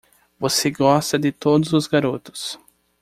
Você gosta de todos os garotos.